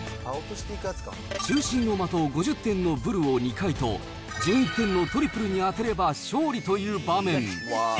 中心の的５０点のブルを２回と、１１点のトリプルに当てれば勝利という場面。